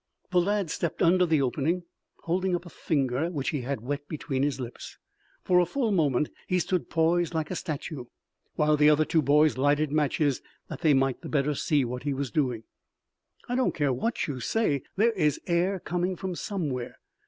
The lad stepped under the opening, holding up a finger which he had wet between his lips. For a full moment he stood poised like a statue while the other two boys lighted matches that they might the better see what he was doing. "I don't care what you say, there is air coming from somewhere.